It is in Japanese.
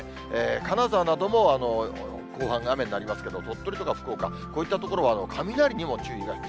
金沢なども後半が雨になりますけれども、鳥取とか福岡、こういった所は雷にも注意が必要。